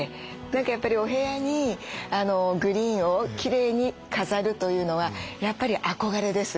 何かやっぱりお部屋にグリーンをきれいに飾るというのはやっぱり憧れです。